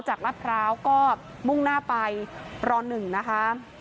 จากลาดพร้าวก็มุ่งหน้าไปรอหนึ่งนะคะ